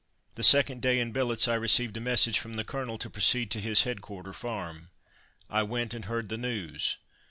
The second day in billets I received a message from the Colonel to proceed to his headquarter farm. I went, and heard the news.